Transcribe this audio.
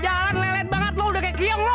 jalan lelet banget lu udah kaya kiong lu